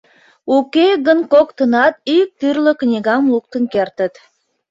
Уке гын коктынат ик тӱрлӧ книгам луктын кертыт.